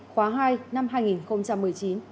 khóa hai năm hai nghìn một mươi chín